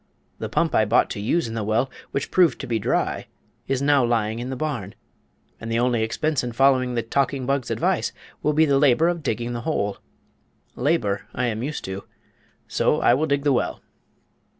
The pump I bought to use in the well which proved to be dry is now lying in the barn, and the only expense in following the talking bug's advice will be the labor of digging the hole. Labor I am used to; so I will dig the well."